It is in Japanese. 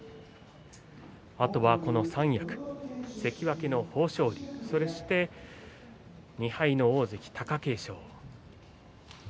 あとは、この三役、関脇の豊昇龍そして２敗の大関貴景勝。